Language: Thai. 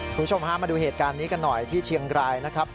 คุณผู้ชมฮะมาดูเหตุการณ์นี้กันหน่อยที่เชียงรายนะครับ